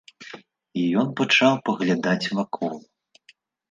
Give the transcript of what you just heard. Ён пачаў паглядаць вакол.